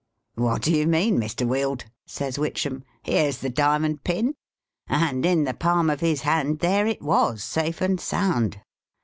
' What do you mean, Mr. Wield 1 ' says Witchem. ' Here 's the diamond pin !' and in the palm of his hand there it was, safe and sound